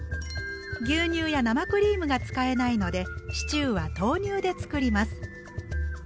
牛乳や生クリームが使えないのでシチューは豆乳で作ります。